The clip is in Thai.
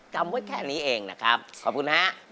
จำไว้แค่นี้เองนะครับขอบคุณฮะ